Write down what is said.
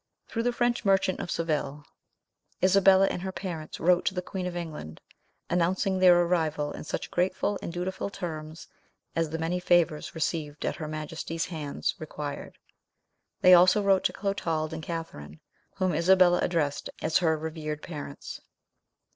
Through the French merchant of Seville, Isabella and her parents wrote to the queen of England, announcing their arrival in such grateful and dutiful terms as the many favours received at her Majesty's hands required. They also wrote to Clotald and Catherine, whom Isabella addressed as her revered parents.